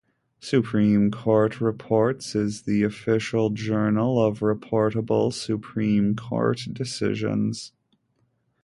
Supreme Court Reports is the official journal of Reportable Supreme Court Decisions.